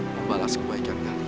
membalas kebaikan kalian